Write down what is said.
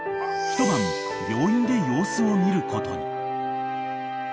一晩病院で様子を見ることに］